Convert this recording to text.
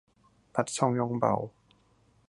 ตัดช่องย่องเบา